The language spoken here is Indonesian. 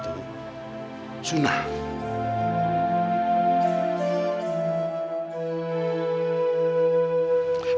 menyelamatkan undangan itu